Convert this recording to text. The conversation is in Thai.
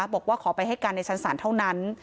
บอกว่าขอไปให้การในชั้นศาลเท่านั้น